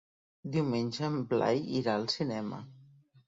Diumenge en Blai irà al cinema.